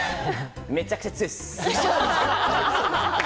めちゃくちゃ強いです！